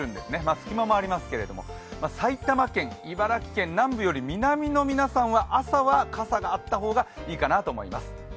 隙間もありますけれども、埼玉県、茨城県南部より南の皆さんは朝は傘があった方がいいと思います。